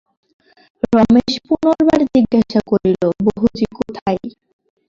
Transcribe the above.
রমেশ পুনর্বার জিজ্ঞাসা করিল, বহুজি কোথায়?